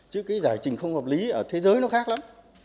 chứ cái giải trình không hợp lý ở thế giới nó khác lắm